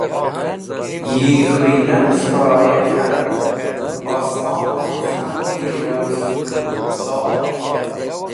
Yi khũynan shoir k̃han “osmonẽn khamdi rawi kobũtsor”